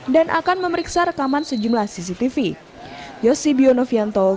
dan akan memeriksa rekaman sejumlah cctv